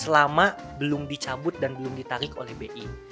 selama belum dicabut dan belum ditarik oleh bi